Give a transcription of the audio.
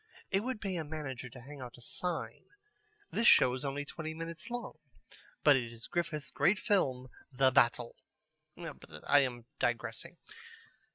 It would pay a manager to hang out a sign: "This show is only twenty minutes long, but it is Griffith's great film 'The Battle.'" But I am digressing.